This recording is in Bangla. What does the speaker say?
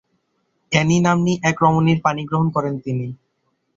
অ্যানি নাম্নী এক রমণীর পাণিগ্রহণ করেন তিনি।